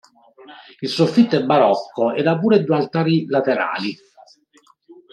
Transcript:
Il soffitto è barocco ed ha pure due altari laterali.